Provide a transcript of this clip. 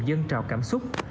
dân trào cảm xúc